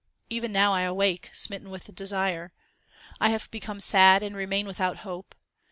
Even now I awake smitten with desire : I have become sad, and remain without hope.